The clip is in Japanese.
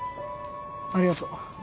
ありがとう。